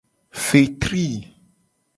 Fetri.